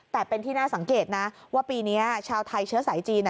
แต่เป็นที่น่าสังเกตนะว่าปีนี้ชาวไทยเชื้อสายจีน